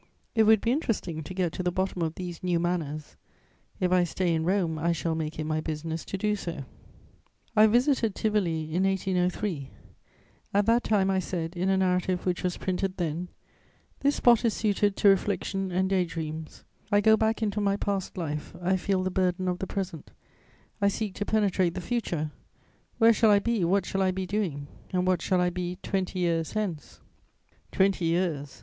It would be interesting to get to the bottom of these new manners; if I stay in Rome, I shall make it my business to do so. * I visited Tivoli in 1803; at that time I said, in a narrative which was printed then: "This spot is suited to reflection and day dreams; I go back into my past life; I feel the burden of the present; I seek to penetrate the future; where shall I be, what shall I be doing and what shall I be twenty years hence?" Twenty years!